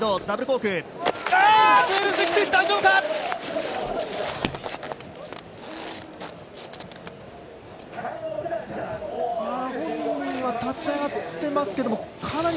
大丈夫か？